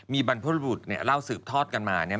มีบรรพบรุษเนี่ยเล่าสืบทอดกันมาเนี่ย